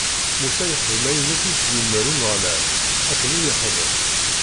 Musa yexdem ayen akk i s-d-yumeṛ Umeɣlal, akken i yexdem.